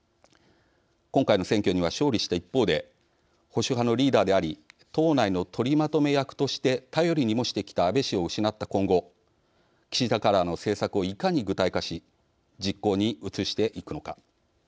今回の選挙には勝利した一方で保守派のリーダーであり党内の取りまとめ役として頼りにもしてきた安倍氏を失った今後岸田カラーの政策をいかに具体化し実行に移していくのか。